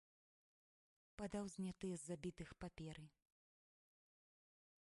Падаў знятыя з забітых паперы.